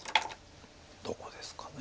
どこですかね。